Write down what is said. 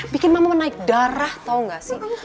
bikin mama menaik darah tau gak sih